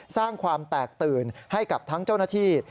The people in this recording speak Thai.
สร้างความแตกตื่นให้กับทั้งเจ้าหน้าที่